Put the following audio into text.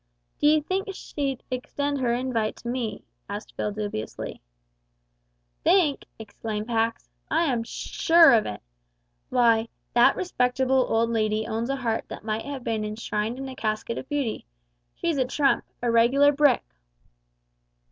"D'ye think she'd extend her invite to me," asked Phil dubiously. "Think!" exclaimed Pax, "I am sure of it. Why, that respectable old lady owns a heart that might have been enshrined in a casket of beauty. She's a trump a regular brick."